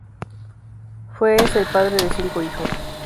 Fue es el padre de cinco hijos.